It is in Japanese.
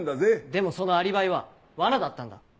でもそのアリバイは罠だったんだ。